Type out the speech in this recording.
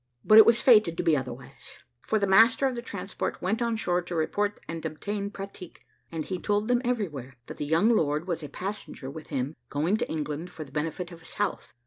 But it was fated to be otherwise; for the master of the transport went on shore to report and obtain pratique, and he told them everywhere that the young Lord A was a passenger with him, going to England for the benefit of his health.